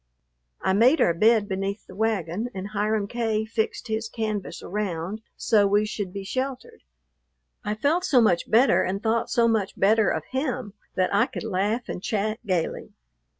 I made our bed beneath the wagon, and Hiram K. fixed his canvas around, so we should be sheltered. I felt so much better and thought so much better of him that I could laugh and chat gayly.